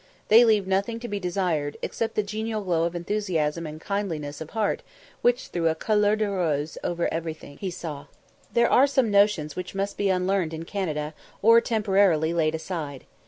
They leave nothing to be desired, except the genial glow of enthusiasm and kindliness of heart which threw a couleur de rose over everything he saw. There are some notions which must be unlearned in Canada, or temporarily laid aside.